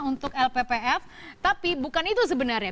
untuk lppf tapi bukan itu sebenarnya